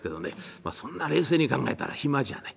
まあそんな冷静に考えたら暇じゃない。